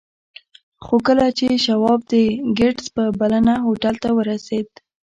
خو کله چې شواب د ګیټس په بلنه هوټل ته ورسېد